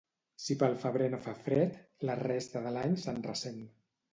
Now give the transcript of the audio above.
Si pel febrer no fa fred, la resta de l'any se'n ressent.